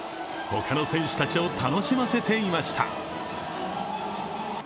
他の選手たちを楽しませていました。